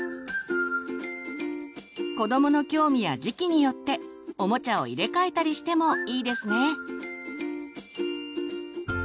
子どもの興味や時期によっておもちゃを入れ替えたりしてもいいですね。